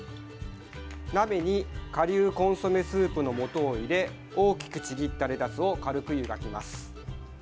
鍋に顆粒コンソメスープの素を入れ大きくちぎったレタスを軽くゆがきます。